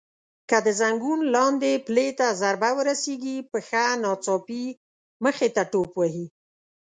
که د زنګون لاندې پلې ته ضربه ورسېږي پښه ناڅاپي مخې ته ټوپ وهي.